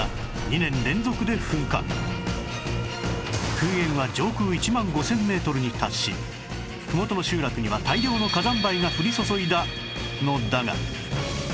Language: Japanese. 噴煙は上空１万５０００メートルに達し麓の集落には大量の火山灰が降り注いだのだが